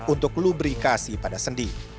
untuk lubrikasi pada sendi